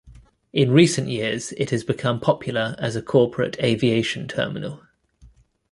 In recent years it has become popular as a corporate aviation terminal.